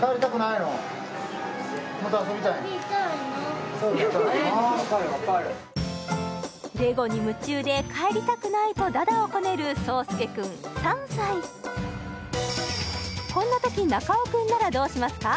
わかるわかるレゴに夢中で帰りたくないと駄々をこねるこんなとき中尾君ならどうしますか？